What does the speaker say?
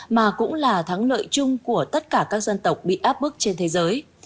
mà cũng là thắng lợi chung của tất cả các dân tộc bị áp bức trên thế giới